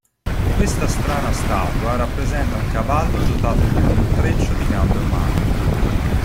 Questa strana statua rappresenta un cavallo dotato di un intreccio di gambe umane.